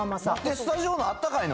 スタジオのあったかいの？